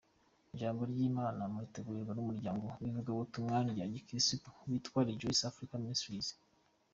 Ijambo ry’Imana muritegurirwa n’umuryango w’ivugabutumwa rya Gikristu witwa Rejoice Africa Ministries.